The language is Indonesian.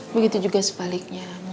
begitu juga sebaliknya